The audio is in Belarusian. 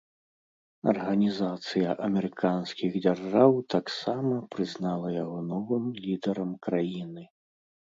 Арганізацыя амерыканскіх дзяржаў таксама прызнала яго новым лідарам краіны.